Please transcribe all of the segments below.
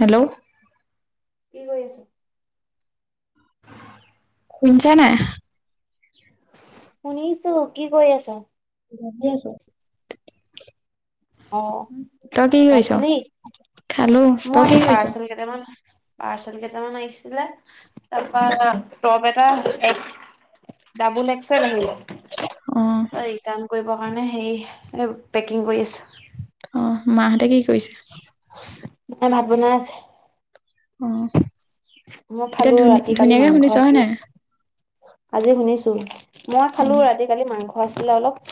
Hello? কি কৰি আছে? শুনছা নাই? শুনিছোঁ, কি কৰি আছা? বহি আছো। অ, তই কি ভাত কৰিছ? খালি? খালো। তই মই কি কৰিছ? পাৰ্চেল কেইটামান পাৰ্চেল কেইটামান আহিছিলে তাৰপা টপ এটা এক্স ডাবুুল একচেই ললি? অ', আ ৰিটাৰণ কৰিব কাৰণে সেই মানে পেকিং কৰি আছো। অ মাহঁতে কি কৰিছে? অকল ভাত বনাই আছে। অ। মই এতিয়া খালো, ধুনী ৰাতি কালি ধুনীয়াকে মাংস শুনিছ হয় আছিল। নাই? আজি শুনিছো, মই খালো অ', ৰাতি কালি মাংস আছিলে অলপ।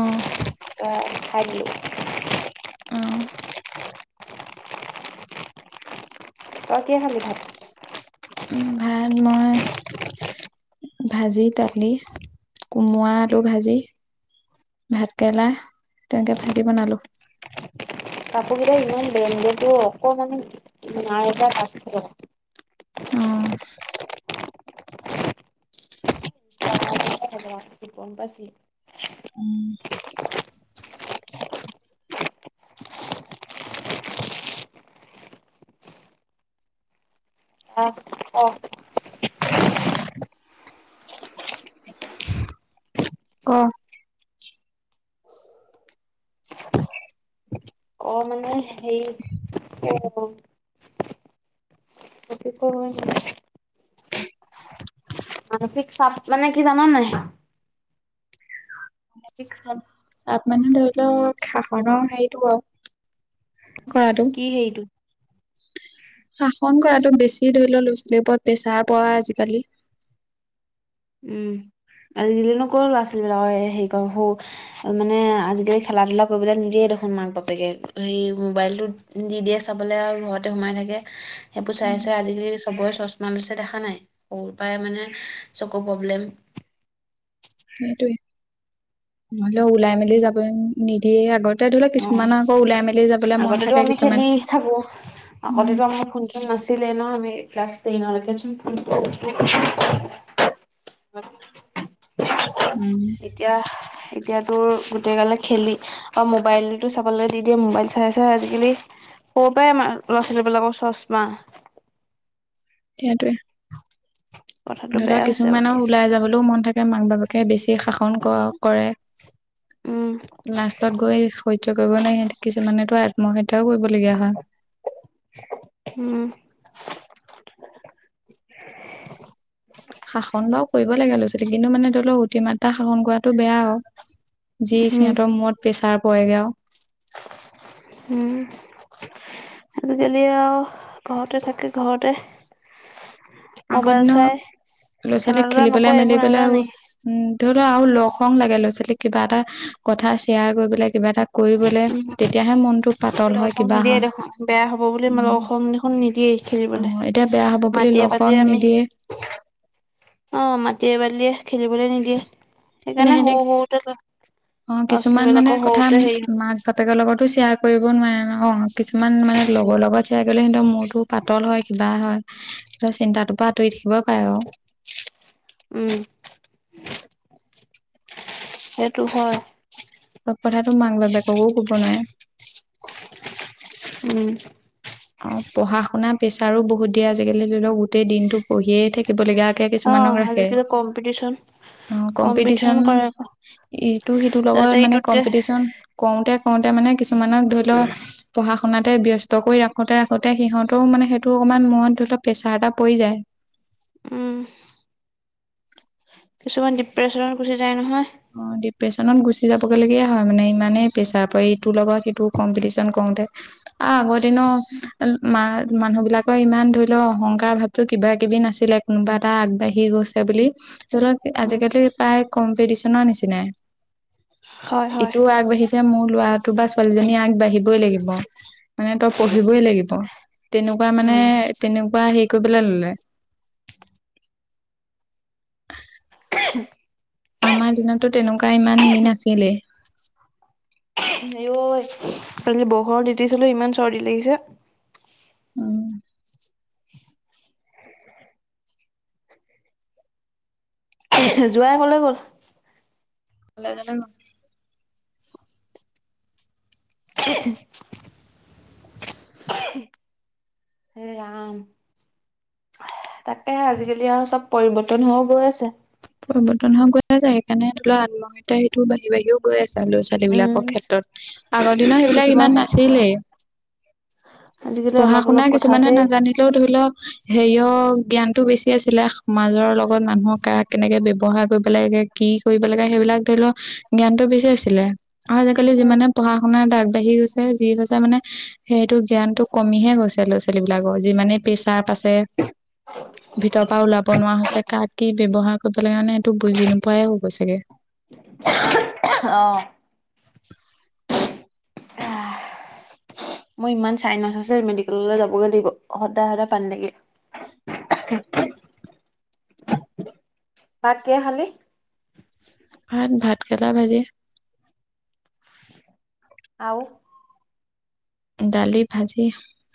অহ। অ খাই দিলোঁ। অ'। তই কি খালি ভাত? উম ভাত মই ভাজি দালি, কোমৰা আলু ভাজি। ভাত কেৰেলা তেনেকে ভাজি বনালো। কাপোৰকিটা ইমান বেম যিটো অকমানো, নাই এইবাৰ পাঁচ কিল। অহ। ফবম [unintelligible] পছি উম। হয় অ। ক? অ মানে সেই কি বুলি কম? ক ক [inaudible] মানসিক চাপ মানে কি জানা নাই হা? মানসিক চাপ, চাপ মানে ধৰি লওক শাসনৰ হেৰিটো আৰু কৰাটো। কি সেইটো? শাসন কৰাতো বেছি ধৰি লও ল'ৰা - ছোৱালীৰ ওপৰত প্ৰেছাৰ পৰা আজিকালি উম, আজিকালি নো কত লৰা - ছোৱালীৰ লগত সে সেইকন হও আ মানে আজিকালি খেলা - ধূলা কৰিবলৈ নিদিয়ে দেখোন মাক - বাপেকে এই মোবাইলটোত দি দিয়ে চাবলৈ আৰু ঘৰতে সোমাই থাকে। সেইবোৰ চাই চাই আজিকালি চবৰে চচমা লৈছে দেখা নাই সৰু পৰাই মানে এক প্ৰব্লেম সেইটোৱে নহলেও ওলাই মেলি যাব নিদিয়ে আগতে ধৰি লওক অ কিছুমান আকৌ ওলাই মেলি যাবলে মন আগতেতো থাকে আমি কিছুমান খেলি থাকো উম আগতেতো আমাৰ ফোন চোন নাচিলে ন আমি ক্লছ টেইন ৰ লৈকে চোন উম এতিয়া এতিয়াতো গোটেই গালে খেলি অ মোবাইলতো চাবলৈ দি দিয়ে মোবাইল চাই চাই আজিকালি ক'ৰ পৰায় আমাৰ ল'ৰা ছোৱালীবিলাকৰ চশমা সেইয়টোৱে কথাটো ধৰি ল বেয়া হৈছে আৰু কিছুমানৰ এতিয়া ওলাই যাবলৈও মন থাকে মাক বাপাকে বেছি শাসন কৰে উম লাষ্টত গৈ সহ্য কৰিব নোৱাৰি সিহঁতে কিছুমানেতো আত্মহত্যাও কৰিবলগীয়া হয় উম শাসন বাও কৰিব লাগে ল'ৰা ছোৱালীক কিন্তু মানে ধৰি লওক অতিমাত্ৰা শাসন কৰাটো বেয়া হ যি উম সিহঁতৰ মূৰত প্ৰেছাৰ পৰেগৈ আৰু হম আজিকালি আৰু ঘৰতে থাকে ঘৰতে আগৰ মোবাইল চাই দিনত ল'ৰা খেলা ছোৱালীক ধূলা খেলি বলে নকৰে মেলি এইবোৰ বলে নাজানেই উম ধৰি লও আৰু লগ সং লাগে ল'ৰা ছোৱালী কিবা এটা কথা শ্বেয়াৰ কৰি পেলাই কিবা এটা কৰিবলে তেতিয়াহে মনটো পাতল লগ হয় সংগ কিবা নিদিয়ে হয় দেখোন বেয়া হ'ব বুলি উ লগ সংগ দেখোন নিদিয়েই অ খেলিবলৈ এতিয়া বেয়া হব বুলি মাটিয়ে লগ সং বালিয়ে নিদিয়ে অঁ মাটিয়ে বালিয়ে খেলিবলৈ নিদিয়ে মানে সেইকাৰণে হ সিহঁতি হওতে আ অ ছোৱালী কিছুমান মানে বিলাকৰ কথা হওঁতে সেই মাক বাপেকৰ লগতো শ্বেয়াৰ কৰিব নোৱাৰে ন অ কিছুমান মানে উম, লগৰ লগত শ্বেয়াৰ কৰিলে কিন্তু মোৰতো পাতল হয় কিবা হয় ত চিন্তাটোৰ পৰা আঁতৰি থাকিব পাৰে আৰু উম সেইটো হয় সব কথাটো মাক বাপেককো কব নোৱাৰে উম অ পঢ়া শুনা প্ৰেছাৰো বহুত দিয়ে আজিকালি ধৰি লওক গোটেই দিনটো পঢ়িয়েই থাকিবলগীয়াকে কিছুমানক অ', ৰাখে আজিকালি কম্পিটিচন অ কম্পিটিচন কৰে আকৌ ইটো সিটোৰ সিহঁতে লগত মানে ইটোতকে কম্পিটিচন কওঁতে কওঁতে মানে কিছুমানক ধৰি লও পঢ়া শুনাতে ব্যস্ত কৰি ৰাখ ৰাখোতে ৰাখোতে সিহঁতেও মানে টো অকমান মনত ধৰি ল প্ৰেছাৰ এটা পৰি যায় উঁম কিছুমান ডিপ্ৰেশ্যনত গুচি যায় নহয় অ ডিপ্ৰেচনত গুচি যাবগৈ লগীয়া হয় মানে ইমানেই প্ৰেছাৰ প ইটোৰ লগত সিটো কম্পিটিচন কৰোতে অ আগৰ দিনো মা মানুহ বিলাকৰ ইমান ধৰি লও অহংকাৰ ভাব তো কিবা কিবি নাছিলে কোনোবা এটা আগবাঢ়ি গৈছে বুলি ধৰি লওক উম, আজিকালি প্ৰায় কম্পিটিচনৰ নিচিনাই হয়, হয়, ইটোও আগবাঢ়িছে যে মোৰ লৰাটো বা ছোৱালীজনী আগবাঢ়িবই লাগিব মানে তই পঢ়িবই লাগিব তেনেকুৱা মানে উম, তেনেকুৱা হেৰি কৰিবলে ললে আমাৰ দিনতো তেনেকুৱা ইমান হেৰি নাছিলে আই ঐ কালি বৰষুণত তিতিছিলো ইমান চৰ্দি লাগিছে উম এহ যোৱাঁই ক'লৈ গ'ল কলেজলে গল এহ এ ৰাম তাকে আজিকালি আৰু চব পৰিৱৰ্তন হৈ গৈ আছে পৰিৱৰ্তন হৈ গৈ আছে সেইকাৰণে ধৰি লোৱা আত্মহত্যা সেটো বাঢ়ি বাঢ়িও গৈ আছে ল'ৰা ছোৱালী উম, বিলাকৰ ক্ষেত্ৰত আগৰ দিনৰ সেইবিলাক কিছুমান ইমান নাছিলে আজিকালি পঢ়া অলপ শুনা অলপ কিছুমানে কথাতে নাজানিলেও ধৰি লওক হেৰিয়ৰ জ্ঞানটো বেছি আছিলে সমাজৰ লগত মানুহক কাক কেনেকে ব্যৱহাৰ কৰিব লাগে কি কৰিব লাগে সেইবিলাক ধৰি লওক জ্ঞানটো বেছি আছিলে আৰু আজিকালি উম যিমানে পঢ়া শুনাত আগবাঢ়ি গৈছে যি হৈছে মানে সেইটো জ্ঞান টো কমিহে গৈছে ল'ৰা ছোৱালী বিলাকৰ যিমানে প্ৰেছাৰ পাচ পে ভিতৰৰ পৰা ওলাব নোৱাৰা হৈছে কাক কি ব্যবহাৰ কৰিব লাগে মানে সেইটো বুজি নোপোৱাহে হৈছেগে [unintelligible] [inaudible] মোৰ ইমান চাইনাছ আছে মেডিকেললে যাবগে লাগিব সদায় সদায় পানী লাগে [unintelligible] ভাত কিহে খালি ভাত ভাতকেৰেলা ভাজি আও দালি ভাজি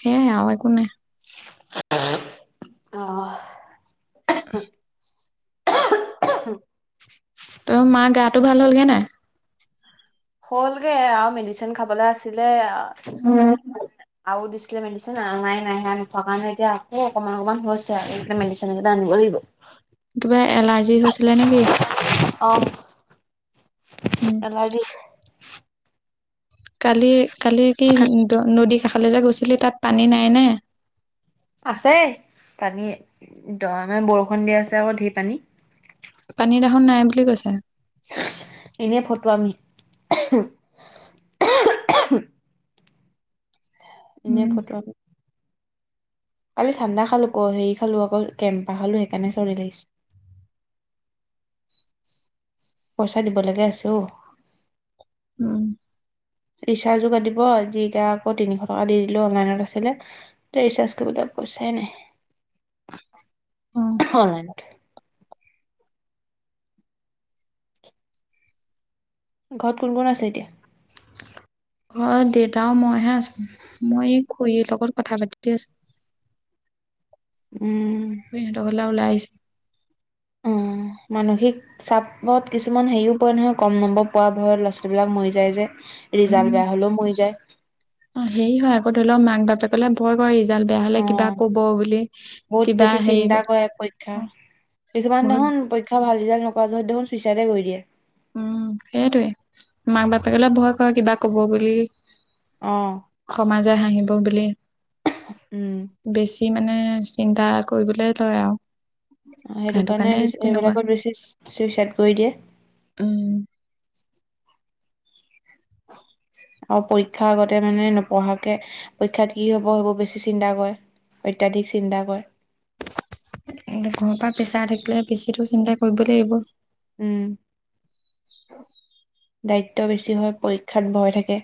সেয়াই আৰু একো নাই [unintelligible] এহ তোৰ মাৰ গাটো ভাল হ'লগে নাই হ'লগে আও মেডিচিন খাবলে আছিলে আৰু দিছিলে মেডিচিন আনা নাই সেয়া নোখোৱা কাৰণে এতিয়া আকৌ অকণমান অকণমান হৈছে আৰু মেডিচিন কেইটা আনিব লাগিব কিবা এলাৰ্জি হৈছিলে নেকি অহ উম এলাৰ্জি কালি কালি কি নদীৰ কাষলে যে গৈছিলি তাত পানী নাই নে আছে পানী দ ইমান বৰষুণ দি আছে আক ধেৰ পানী পানী দেখোন নাই বুলি কৈছা এনেই ফটুৱামি এনে উম ফটুৱামি কালি ঠাণ্ডা খালো ক হেৰি খালো ক কেম্পাহ খালো সেইকাৰণে চৰ্দি লাগিছে পইচা দিবলেকে আছে অ উম ৰিচাৰ্জো কাটিব আজি এতিয়া আকৌ তিনিশ টকা দি দিলো অনলাইনত আছিলে এতিয়া ৰিচাৰ্জ কৰিবলে পইছাই নাই অ [unintelligible] ঘৰত কোন কোন আছে এতিয়া ঘৰত দেউতা আৰু মইহে আছো মই খুৰীৰ লগত কথা পাতি আছো উম খুৰীহঁতৰ ঘৰলে ওলাই আহিছো উম, মানসিক- চাপত কিছুমান হেৰিও পৰে নহয়, কম নম্বৰ পোৱা ভয়ত লৰাছোৱালীবিলাক মৰি যায় যে। ৰিজাল্ট বেয়া হ'লেও মৰি যায়। অঁ হেৰি হয় আকৌ ধৰি লক মাক বাপেক- লে ভয় কৰে ৰিজাল্ট বেয়া অ হলে কিবা কব বুলি, বহুত কিবা বেছি হেৰি চিন্তা বু- কৰে পৰীক্ষা কিছুমান দেখোন পৰীক্ষা ভাল ৰিজাল্ট নকৰা যদিও চুইচাইডে কৰি দিয়ে। উম, সেইটোৱে মাক বাপেকলৈ ভয় কৰে কিবা কব বুলি। অঁ। সমাজে হাঁহিব বুলি। উম। বেছি মানে চিন্তা কৰিবলৈ লয় আৰু। অঁ সেইটো কাৰণে এইবিলাকত বেছি ছুই-চুইচাইদ কৰি দিয়ে। উম। আৰু পৰীক্ষা আগতে মানে নপঢ়াকে, পৰীক্ষাত কি হ'ব এইবোৰ বেছি চিন্তা কৰে। অত্যাধিক চিন্তা কৰে। উম, ঘৰৰ পৰা প্ৰেছাৰ থাকিলে বেছিটো চিন্তা কৰিবই লাগিব। উম। দায়িত্ব বেছি হয়, পৰীক্ষাত ভয় থাকে।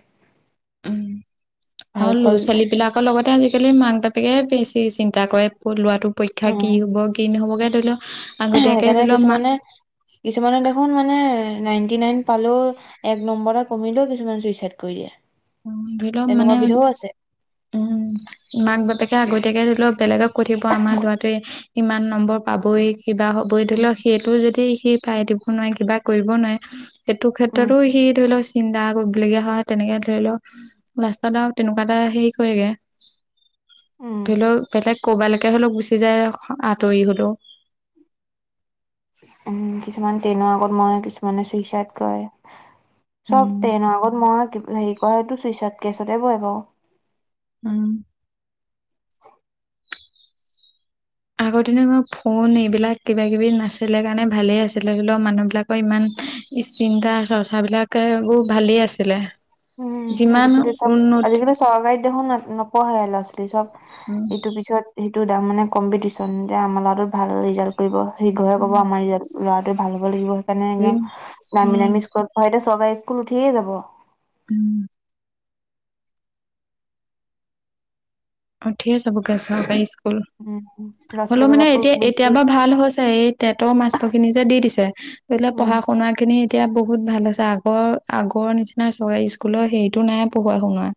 ভাল আৰু ফল ল'ৰা ছোৱালী বিলাকৰ লগতে আজিকালি মাক বাপেকেহে বেছি চিন্তা কৰে পঢ়োৱাটোক- পৰীক্ষা কি উম হ'ব, কি নহ'বগে! ধৰি লওঁক আগতীয়াকৈ সেইকাৰণে ধৰি লওঁক মা- কিছুমানে কিছুমানে দেখোন মানে নাইণ্টি নাইন পালেওঁ- এক নম্বৰ এটা কমিলেও কিছুমানে চুইচাইদ কৰি দিয়ে। উম, ধৰি লওঁক তেনেকুৱা মানে- বিধও আছে উম, মাক বাপেকে আগতীয়াকে ধৰি লওঁক বেলেগক কৈ থাকিব আমাৰ ল'ৰাটোৱে- ইমান নম্বৰ পাবই। কিবা হ'বই। ধৰি উম লওঁক সেইটো যদি সি পাই দিব নোৱাৰে, কিবা কৰিব নোৱাৰে- সেইটো ক্ষেত্ৰতো সি ধৰি লওঁক- চিন্তা কৰিবলগীয়া হয়। তেনেকে ধৰি লওঁক লাষ্টত আৰু তেনেকুৱা এটা সেই- হয়গে। উম ধৰি লওঁক বেলেগ- ক'ৰবালৈকে হ'লেও গুচি যায় আঁতৰি হ'লেও। উম, কিছুমান ট্ৰেইনৰ আগত মৰে, কিছুমানে চুই-চাইদ কৰে। চব ট্ৰেইনৰ আগত মৰা, হেৰি কৰা এইটো চুইচ চাইদ কেছতে পৰে বাৰু। উম। আগৰটেনো ফোন এইবিলাক কিবা কিবি নাছিলে কাৰণে ভালেই আছিলে, ধৰি লওঁক মানুহবিলাক- ত ইমান এই চিন্তা চৰ্চা বিলাকে বহু ভালেই আছিলে। উম, যিমান আজিকালি চব, উন্নত আজিকালি চৰকাৰী দেখোন ন নপঢ়ে ল'ৰা-ছোৱালী। চব- ইটো পিছত- সিটো তাৰ মানে কম্পিটিশ্যন যে আমাৰ ল'ৰাটো ভাল ৰিজাল্ট কৰিব, সিঘৰৰে ক'ব উম আমাৰ ৰিজাল্ট- ল'ৰাটোৱে ভাল হ'ব লাগিব, সেইকাৰণে একদম জিম দামী দামী স্কুলত পঢ়াই। এতিয়া চৰকাৰী স্কুল উঠিয়ে যাব। উম। অঁ উঠিৱে যাবগে চৰকাৰী স্কুল। উম, উম। হ'লেও মানে এতিয়া, এতিয়া বা ভাল হৈছে এই তেটৰ মাষ্টৰ খিনি যে দি দিছে। ধৰি ল' উম, পঢ়া শুনা খিনি- এতিয়া বহুত ভাল হৈছে, আগৰ আগৰ নিচিনা চৰকাৰী স্কুলৰ সেইটো নাই পঢ়া শুনোৱা।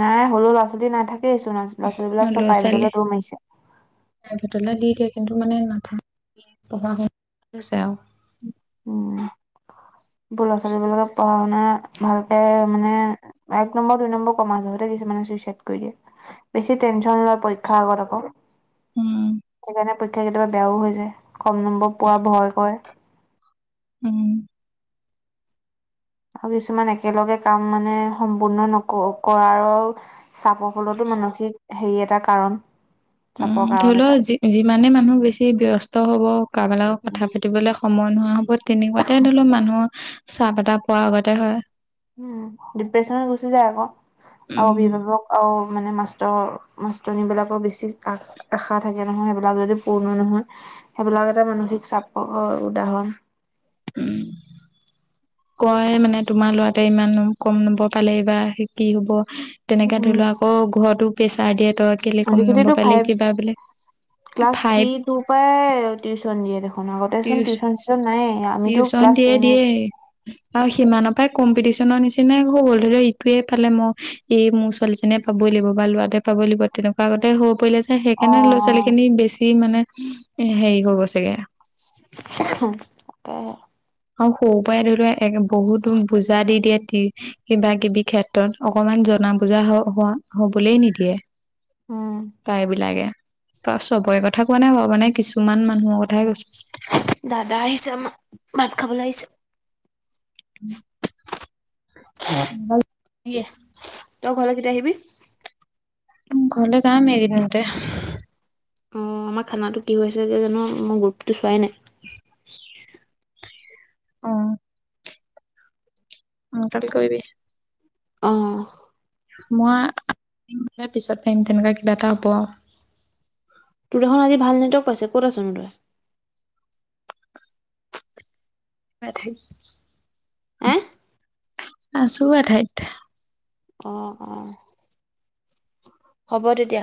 নাই সৰু ল'ৰা-ছোৱালী নাথাকেই চোন, ল'ৰা-ছোৱালীবিলাক চব প্ৰাইভেটলে দৌৰ মাৰিছে। প্ৰাইভেটলে দি দিয়ে কিন্তু মানে, নাথাকে পঢ়া শুন হৈছে আও [inaudible] বোৰ ল'ৰা-ছোৱালীবিলাকে পঢ়া-শুনা ভালকে মানে। এক নম্বৰ, দুই নম্বৰ কমা জহতে কিছুমানে চুইচাইড কৰি দিয়ে। বেছি টেনছন লয় পৰীক্ষাৰ আগত আক। উম, সেইকাৰণে পৰীক্ষা কেতিয়াবা বেয়াও হৈ যায়, কম নম্বৰ পোৱা ভয় কৰে। উম। আৰু কিছুমান একেলগে কাম মানে সম্পূৰ্ণ নক কৰাও চাপৰ ফলতো মানসিক হেৰি এটা কাৰণ। চাপৰ কাৰণ ধৰিল এটা যি যিমানে মানুহ বেছি ব্যস্ত হ'ব, কাৰবা লগত কথা পাতিবলে সময় নোহোৱা হ'ব তেনেকুৱাতে ধৰি লওক মানুহৰ ছাপ এটা পৱা আগতে হয়। উম', ডিপ্ৰেছনত গুচি যায় আক, আও উম, অভিভাৱক আও মানে মাষ্টৰ মাষ্টৰনী বিলাকক বেছি আ- আশা থাকে নহয়, সেইবিলাক যদি পূৰ্ণ নহয় সেইবিলাকতে মানসিক চাপৰ উদাহৰণ। উম', কয় মানে তোমাৰ ল'ৰা- তে ইমান নম কম নম্বৰ পালে, এইবা সি কি হ'ব? তেনেকে উম ধৰি লোৱা আকৌ' ঘৰতো প্ৰেছাৰ দিয়ে তই কেলে কম আজিকালিতো নম্বৰ পালি ফাইভ কিবা বোলে, এ' ফাইপ তো পায়ে টিউচন দিয়ে দেখোন, আগতে চোন টিউচ টিউচন চিউচন নায়েই। আমিতো ক্লাছ টেন এই আও সিমানপাই কম্পিটিচনৰ নিচিনাই হৈ গ'ল। ধৰি ল' ইটোয়ে পালে মই এই মোৰ ছোৱালী নে পাবই লাগিব বা ল'ৰাটোৱে পাবই লাগিব, তেনেকুৱা আগতে হৈ পৰিলে যে সেই সেইকাৰণে ল'ৰা-ছোৱালী অ', খিনি বেছি মানে সেই হৈ গৈছে গে তাকেহে। আও সৰু পৰাই ধৰি লোৱা একে বহুত বুজা দি দিয়ে টি- কিবা কিবি ক্ষেত্ৰত, অকমান জনা বুজা হ হোৱা হ'বলেই নিদিয়ে। উম, প্ৰায়বিলাকে, ত চবৰে কথা কোৱা নাই বাৰু মানে কিছুমান মানুহৰ কথাহে কৈছো। দাদা আহিছে আমা, ভাত খাবলে আহিছে। [unintelligible] তই ঘৰলে কেতিয়া আহিবি? ঘৰলে যাম এইদিনতে অ' আমা খানাটো কি হৈছে এতিয়া জানো, মই গ্ৰুপটো চোৱাই নাই। ওম। উম' কালি কৰিবি। অ'। মই আ-নে পিছত পাইম তেনেকুৱা কিবা এটা হ'ব আও তোৰ দেখোন আজি ভাল নেটৱৰ্ক পাইছে ক'ত আছ নো তই? [unintelligible] এহ? আছো এঠাইত। অঁ অঁ। হ'ব তেতিয়া।